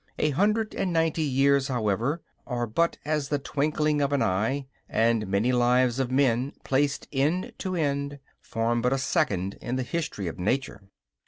A hundred and ninety years, however, are but as the twinkling of an eye; and many lives of men, placed end to end, form but a second in the history of Nature.